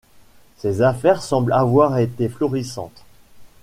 Ses affaires semblent avoir été florissantes.